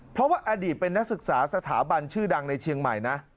เพราะว่าอดีตเป็นนักศึกษาสถาบันชื่อดังในเชียงใหม่นะ